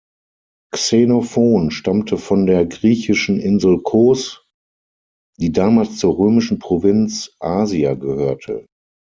Xenophon stammte von der griechischen Insel Kos, die damals zur römischen Provinz Asia gehörte.